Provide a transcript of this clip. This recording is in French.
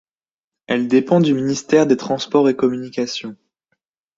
Elle dépend du ministère des Transports et Communications.